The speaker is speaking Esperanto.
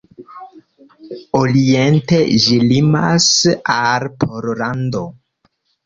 Oriente ĝi limas al Pollando.